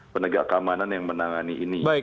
penegak keamanan yang menangani ini